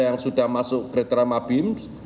yang sudah masuk kriteria mabim